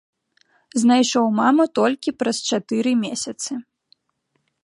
Знайшоў маму толькі праз чатыры месяцы.